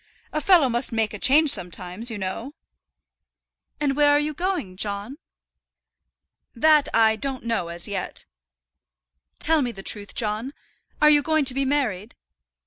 A fellow must make a change sometimes, you know." "And where are you going, John?" "That I don't know as yet." "Tell me the truth, John; are you going to be married?